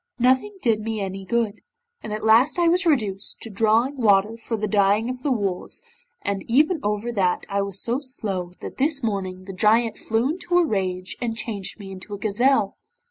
Nothing did me any good, and at last I was reduced to drawing water for the dyeing of the wools, and even over that I was so slow that this morning the Giant flew into a rage and changed me into a gazelle.